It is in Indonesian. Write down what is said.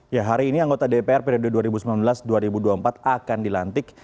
ya hari ini anggota dpr periode dua ribu sembilan belas dua ribu dua puluh empat akan dilantik